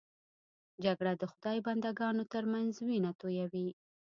جګړه د خدای بنده ګانو تر منځ وینه تویوي